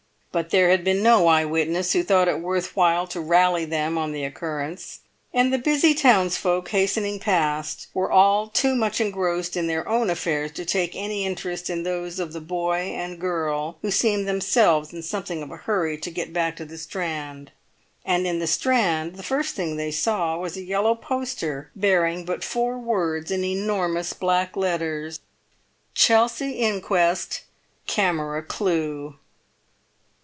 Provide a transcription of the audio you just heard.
But there had been no eye witness who thought it worth while to rally them on the occurrence, and the busy townsfolk hastening past were all too much engrossed in their own affairs to take any interest in those of the boy and girl who seemed themselves in something of a hurry to get back to the Strand. And in the Strand the first thing they saw was a yellow poster bearing but four words in enormous black letters:— CHELSEA INQUEST CAMERA CLUE!